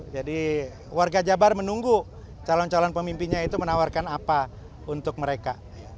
jadi warga jabar menunggu calon calon pemimpinnya itu menawarkan apa untuk mereka